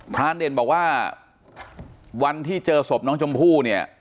เด่นบอกว่าวันที่เจอศพน้องชมพู่เนี่ย